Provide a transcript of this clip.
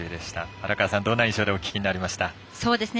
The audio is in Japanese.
荒川さん、どんな印象でお聞きになりましたか。